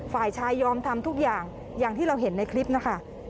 ฝ่ายชายยอมทำทุกอย่างอย่างที่เราเห็นในคลิปนะคะ